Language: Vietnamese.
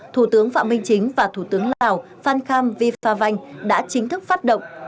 thủ tướng phạm minh chính và thủ tướng lào phan kham vi pha vanh đã chính thức phát động